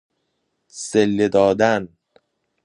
صله دادن